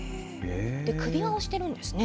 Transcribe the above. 首輪をしてるんですね。